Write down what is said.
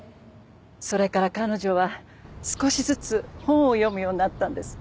それから彼女は少しずつ本を読むようになったんです。